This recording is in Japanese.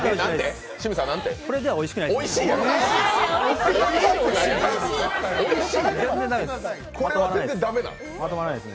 これではおいしくないんです。